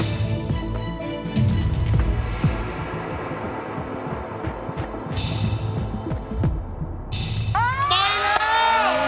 เอ่อไปแล้วโอ้โหเฮ้ยลงมานี่ลงมานี่